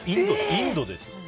インドですよ。